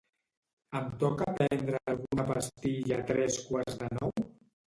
Em toca prendre alguna pastilla a tres quarts de nou?